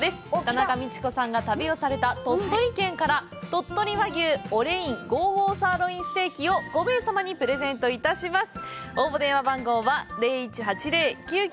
田中道子さんが旅をされた鳥取県から鳥取和牛オレイン５５サーロインステーキを５名様にプレゼントいたします。